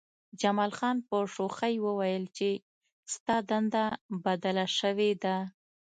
جمال خان په شوخۍ وویل چې ستا دنده بدله شوې ده